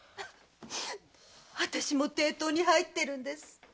あたしも抵当に入ってるんです。